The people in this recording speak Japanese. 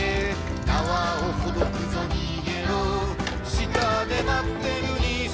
「縄をほどくぞ逃げろ」「下で待ってる兄さん」